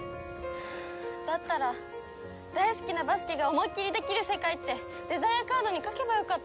だったら「大好きなバスケが思いっきりできる世界」ってデザイアカードに書けばよかったのに。